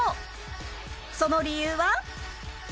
その理由は？